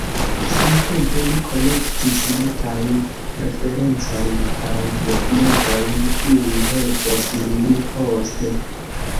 Samtempe li kolektis multajn referencojn kaj dokumentojn, kiuj helpos lin poste.